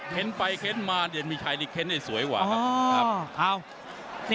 ไปเค้นมาเด่นมีชัยนี่เค้นได้สวยกว่าครับ